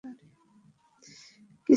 Kiss বলতে, সে আমার গালে কিস করেছে।